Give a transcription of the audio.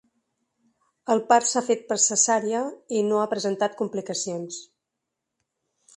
El part s’ha fet per cesària i no ha presentat complicacions.